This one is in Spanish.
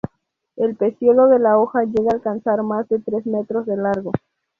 El peciolo de la hoja llega a alcanzar más de tres metros de largo.